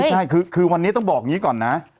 ใช่คือวันนี้ต้องบอกอย่างนี้ก่อนนะ